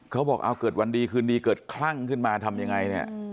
เขาบอกเอาเกิดวันดีคืนดีเกิดคลั่งถึงมาทำอย่างไร